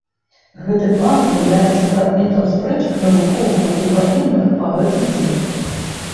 Гэты план з'яўляецца прадметам спрэчак навукоўцаў і ваенных па гэты дзень.